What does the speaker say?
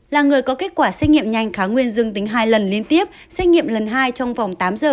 là người có kết quả xét nghiệm nhanh khá nguyên dương tính hai lần liên tiếp xét nghiệm lần hai trong vòng tám giờ